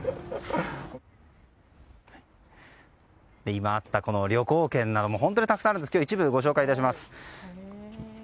今あった、旅行券なども本当にたくさんあるんですけども一部、ご紹介します。